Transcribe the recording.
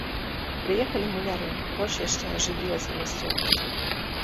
Прыехалі муляры, больш яшчэ ажывілася мясцовасць.